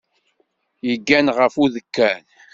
Yeggan ɣef udekkan.